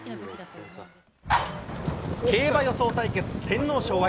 競馬予想対決、天皇賞秋。